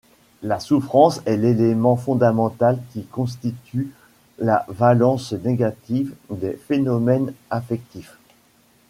La souffrance est l'élément fondamental qui constitue la valence négative des phénomènes affectifs.